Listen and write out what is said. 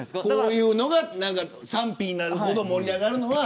こういうのが賛否になるほど盛り上がるのは。